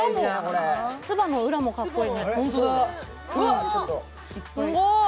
つばの裏もかっこいいね。